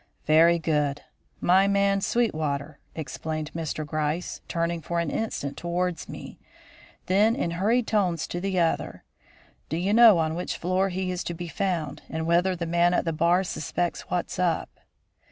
"Very good. My man, Sweetwater," explained Mr. Gryce, turning for an instant towards me; then, in hurried tones to the other, "Do you know on which floor he is to be found; and whether the man at the bar suspects what's up?"